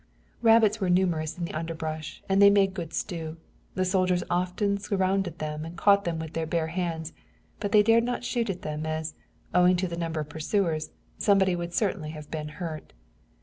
Rabbits were numerous in the underbrush and they made good stew. The soldiers often surrounded them and caught them with their bare hands, but they dared not shoot at them, as, owing to the number of pursuers, somebody would certainly have been hurt.